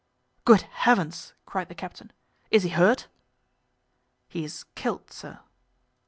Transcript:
"Good heavens!" cried the captain. "Is he hurt?" "He is killed, sir."